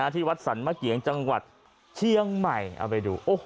ที่วัดสรรมะเกียงจังหวัดเชียงใหม่เอาไปดู